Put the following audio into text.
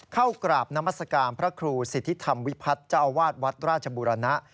เข้ากราบนามัศกาลพระครูสิทธิธรรมวิพัฒน์เจ้าอาวาสวัดราชบุรณะ